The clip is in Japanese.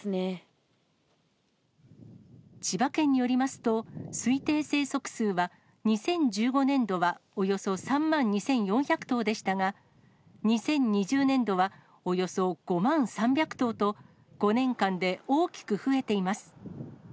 千葉県によりますと、推定生息数は、２０１５年度はおよそ３万２４００頭でしたが、２０２０年度はおよそ５万３００頭と、５年間で大きく増えています。